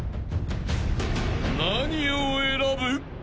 ［何を選ぶ？］